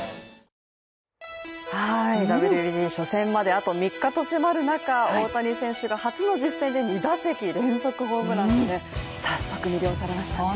ＷＢＣ初戦まであと３日と迫る中、大谷選手が初の実戦で２打席連続ホームランと早速魅了されましたね。